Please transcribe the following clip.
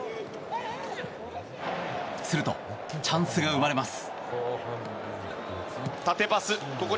すると、チャンスが生まれます。